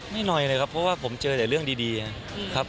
หน่อยเลยครับเพราะว่าผมเจอแต่เรื่องดีนะครับ